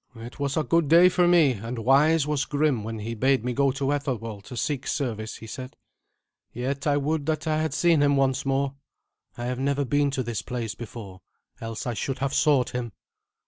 "It was a good day for me, and wise was Grim when he bade me go to Ethelwald to seek service," he said; "yet I would that I had seen him once more. I have never been to this place before, else I should have sought him."